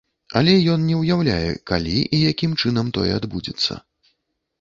Але ён не ўяўляе калі і якім чынам тое адбудзецца.